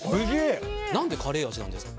何でカレー味なんですか？